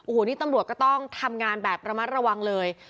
โอ้โหนี่ตำรวจก็ต้องทำงานแบบระมัดระวังเลย